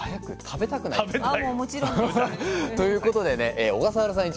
食べたい。ということでね小笠原さん